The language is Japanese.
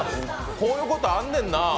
こういうことあんねんな。